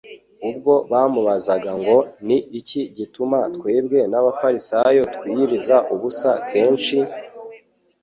ubwo bamubazaga ngo "Ni iki gituma twebwe n'abafarisayo twiyiriza ubusa kenshi,